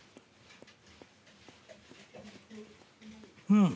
うん。